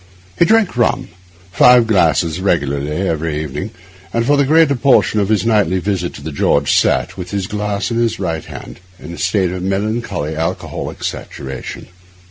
He drank rum—five glasses regularly every evening; and for the greater portion of his nightly visit to the George sat, with his glass in his right hand, in a state of melancholy alcoholic saturation.